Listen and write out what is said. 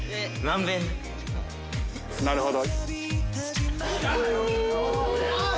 なるほど。